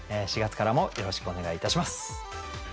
４月からもよろしくお願いいたします。